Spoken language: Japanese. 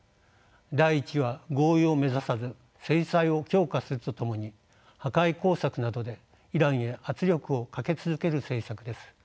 第１は合意を目指さず制裁を強化するとともに破壊工作などでイランへ圧力をかけ続ける政策です。